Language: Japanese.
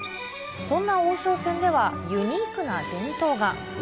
そんな王将戦では、ユニークな伝統が。